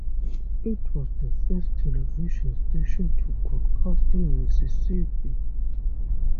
It was the first television station to broadcast in Mississippi.